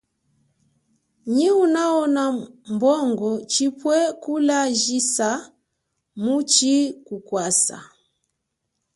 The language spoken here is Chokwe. Nyi unahona mbongo chipwe kulandjisa muchi kukwasa.